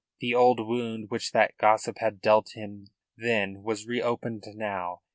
The old wound which that gossip had dealt him then was reopened now.